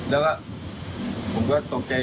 แล้วก็ผมก็ตกใจพูดอะไรบอกมันก็บอกหยุดหยุด